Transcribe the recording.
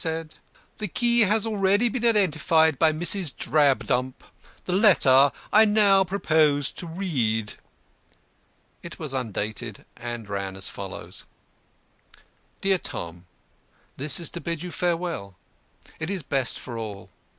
said: "The key has already been identified by Mrs. Drabdump. The letter I now propose to read." It was undated, and ran as follows: "Dear Tom, This is to bid you farewell. It is best for us all.